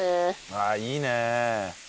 ああいいね。